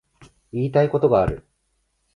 言いたいことがある